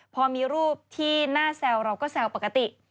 พอมีรูปที่น่าแซวเราก็แซวปกติ